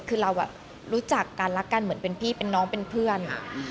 คือเรารู้จักกันรักกันเหมือนเป็นพี่เป็นน้องเป็นเพื่อน